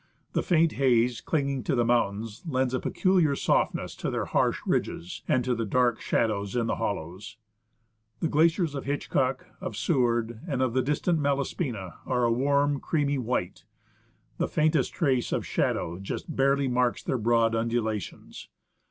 The faint haze clinging to the mountains lends a peculiar softness to III THE ASCENT OF MOUNT ST. ELIAS their harsh ridges and to the dark shadows in the hollows. The glaciers of Hitchcock, of Seward, and of the distant Malaspina, are a warm creamy white ; the faintest trace of shadow just barely marks their broad undulations.